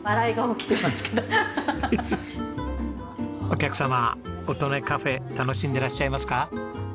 お客様音音かふぇ楽しんでらっしゃいますか？